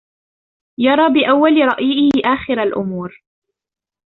يرى بأول رأيه آخر الأمور.